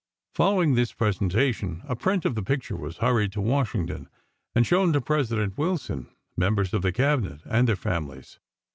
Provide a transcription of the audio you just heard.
Following this presentation, a print of the picture was hurried to Washington, and shown to President Wilson, members of the Cabinet, and their families.